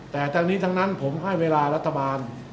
แต่ทั้งนี้ทั้งนั้นผมให้เวลารัฐบาล